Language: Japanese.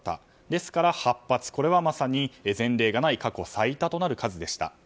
ですから、８発、これはまさに前例がない過去最多の数でした。